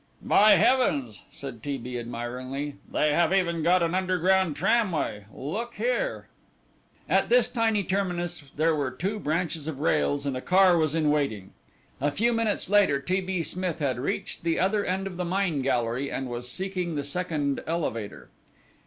"By heavens," said T. B. admiringly, "they have even got an underground tramway; look here!" At this tiny terminus there were two branches of rails and a car was in waiting. A few minutes later T. B. Smith had reached the other end of the mine gallery and was seeking the second elevator.